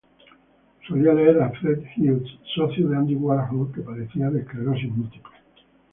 Solía leer a Fred Hughes, socio de Andy Warhol que padecía de esclerosis múltiple.